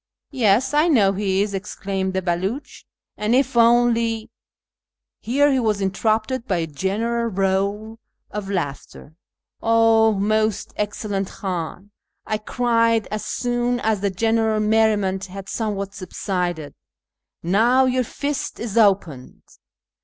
" Yes, I know he is," exclaimed the Belucli, " and if only " Here he was interrupted by a general roar of laughter. " 0 most excellent Khan," I cried, as soon as the general merriment had somewhat subsided, " now your fist is opened